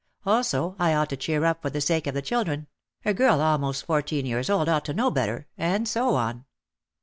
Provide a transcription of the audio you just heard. Also, I ought to cheer up for the sake of the children, — a girl almost fourteen years old ought to know better — and so on.